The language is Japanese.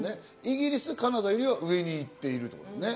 イギリス、カナダよりは上に行っている。